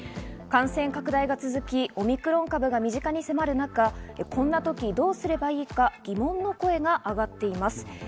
感染拡大が続きオミクロン株が身近に迫る中、こんな時、どうすればいいか疑問の声があがっています。